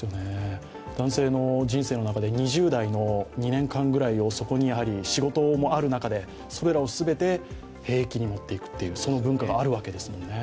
男性の人生の中で、２０代の２年間ぐらいをそこに、仕事がある中で、それらを全て兵役にもっていくという文化があるわけですからね。